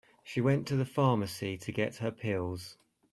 She went to the pharmacy to get her pills.